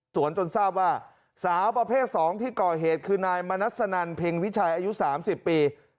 สวนจนทราบว่าสาวประเภทสองที่ก่อเหตุคือนายมณสนั่นเพ็งวิชัยอายุสามสิบปี